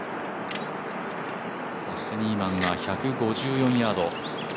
ニーマンは１５４ヤード。